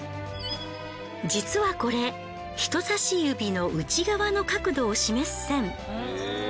実はこれ人さし指の内側の角度を示す線。